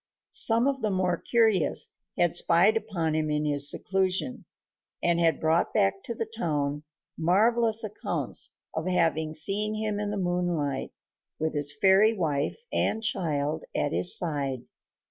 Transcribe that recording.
Some of the more curious had spied upon him in his seclusion, and had brought back to the town marvelous accounts of having seen him in the moonlight with his fairy wife and child at his side.